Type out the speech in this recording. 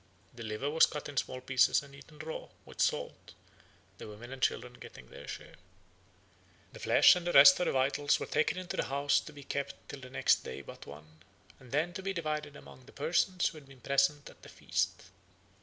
The liver was cut in small pieces and eaten raw, with salt, the women and children getting their share. The flesh and the rest of the vitals were taken into the house to be kept till the next day but one, and then to be divided among the persons who had been present at the feast.